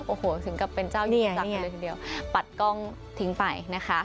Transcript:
โอ้โหถึงกับเป็นเจ้าหญิงจักรกันเลยทีเดียวปัดกล้องทิ้งไปนะคะ